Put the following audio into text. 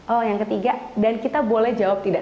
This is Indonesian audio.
oh yang ketiga dan kita boleh jawab tidak